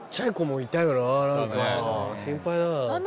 心配だな。